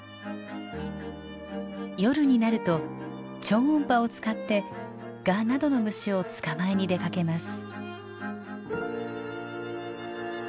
夜になると超音波を使ってガなどの虫を捕まえに出かけます。